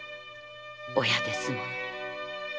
親ですもの。